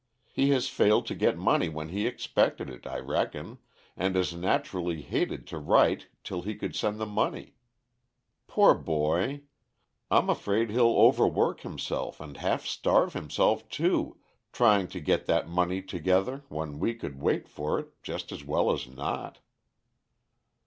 He has failed to get money when he expected it, I reckon, and has naturally hated to write till he could send the money. Poor boy! I'm afraid he'll overwork himself and half starve himself, too, trying to get that money together, when we could wait for it just as well as not."